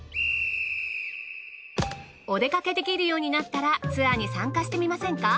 お出かけできるようになったらツアーに参加してみませんか？